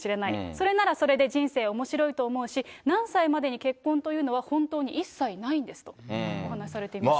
それならそれで人生おもしろいと思うし、何歳までに結婚というのは本当に一切ないんですとお話されていました。